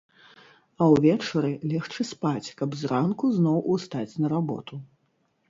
А ўвечары легчы спаць, каб зранку зноў устаць на работу.